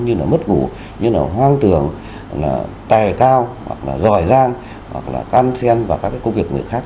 như là mất ngủ như là hoang tưởng tài cao hoặc là giỏi giang hoặc là can sen và các công việc người khác